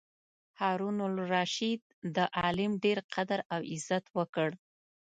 هارون الرشید د عالم ډېر قدر او عزت وکړ.